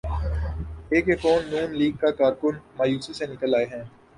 ایک یہ کہ نون لیگ کا کارکن مایوسی سے نکل آئے گا۔